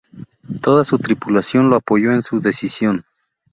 Toda su tripulación lo apoyó en su decisión.